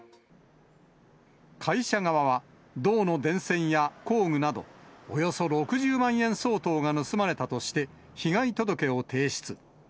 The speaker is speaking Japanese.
会社側は、銅の電線や工具など、およそ６０万円相当が盗まれたとして、被害届を提出。